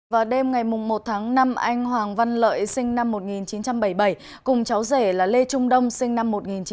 vào đêm ngày một tháng năm anh hoàng văn lợi sinh năm một nghìn chín trăm bảy mươi bảy cùng cháu rể là lê trung đông sinh năm một nghìn chín trăm tám mươi